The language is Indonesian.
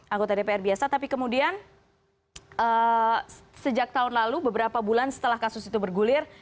anggota dpr biasa tapi kemudian sejak tahun lalu beberapa bulan setelah kasus itu bergulir